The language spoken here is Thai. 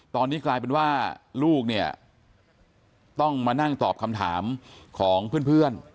ตอนนี้กลายเป็นว่าลูกเนี่ยต้องมานั่งตอบคำถามของเพื่อน